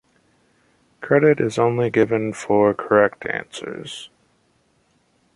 Credit is only given for correct answers.